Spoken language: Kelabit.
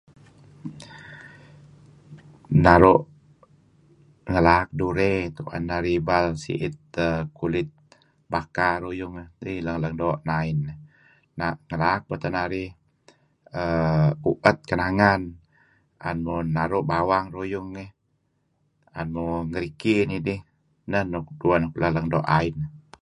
Naru' ngelaak durey tu'en narih si'it kulit baka ruyung dih, ei lang-lang doo' neh ain dih. Ngelaak beto' narih uu'et kenangan 'an muh naru' bawang ruyung dih, 'an muh ngeriki nidih, neh-neh dueh nuk leng-leng doo' ain.